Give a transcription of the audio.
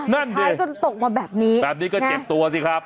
นั่นสิสุดท้ายก็ตกมาแบบนี้แบบนี้ก็เจ็บตัวสิครับ